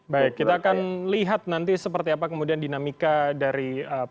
baik kita akan lihat nanti seperti apa kemudian dinamika dari